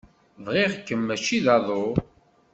Bɣiɣ-kem mačči d aḍu.